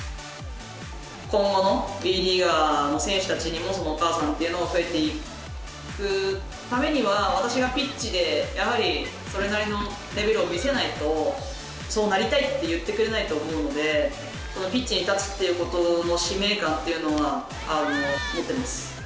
今後のＷＥリーガーの選手たちにそのお母さんというのが増えていくためには、私がピッチでやはり、それなりのレベルを見せないと、そうなりたいって言ってくれないと思うので、ピッチに立つっていうことの使命感っていうのは持っています。